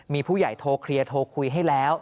มีผู้ใหญ่โทรเคลียร์โทรคุยให้แล้ว